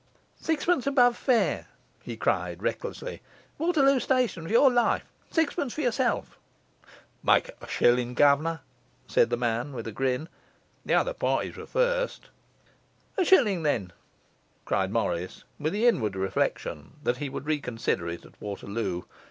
'Sixpence above fare,' he cried recklessly. 'Waterloo Station for your life. Sixpence for yourself!' 'Make it a shilling, guv'ner,' said the man, with a grin; 'the other parties were first.' 'A shilling then,' cried Morris, with the inward reflection that he would reconsider it at Waterloo.